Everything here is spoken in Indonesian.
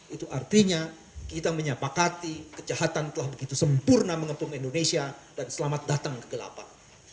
itu artinya kita menyapakati kejahatan telah begitu sempurna mengepung indonesia dan selamat datang kegelapan